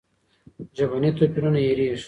ژبني توپیرونه هېرېږي.